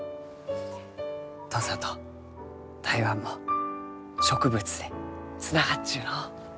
土佐と台湾も植物でつながっちゅうのう。